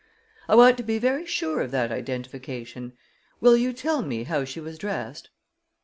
I want to be very sure of that identification. Will you tell me how she was dressed?"